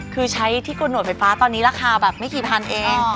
คือใช้ที่โกนหวดไฟฟ้าตอนนี้ราคาแบบไม่กี่พันเอง